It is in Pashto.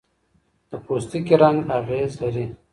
د پوستکي رنګ اغېز لري.